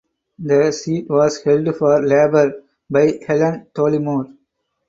The seat was held for Labour by Helen Dollimore.